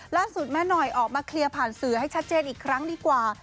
ล่าสุดแม่หน่อยออกมาเคลียร์ผ่านสื่อให้ชัดเจนอีกครั้งดีกว่า